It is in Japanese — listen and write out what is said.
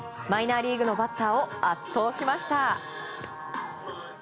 マイナーリーグのバッターを圧倒しました。